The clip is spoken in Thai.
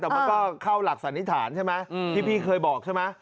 แต่มันก็เข้าหลักสันนิษฐานใช่ไหมที่พี่เคยบอกใช่ไหม